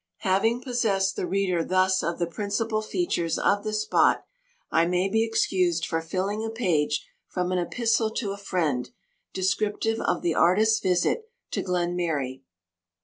Having possessed the reader thus of the principal features of the spot, I may be excused for filling a page from an epistle to a friend, descriptive of the artist's visit, to Glenmary.